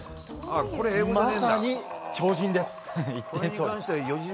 まさに超人です。